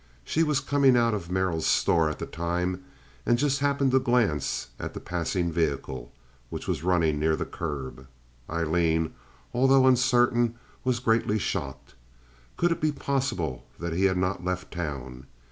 She was coming out of Merrill's store at the time, and just happened to glance at the passing vehicle, which was running near the curb. Aileen, although uncertain, was greatly shocked. Could it be possible that he had not left town?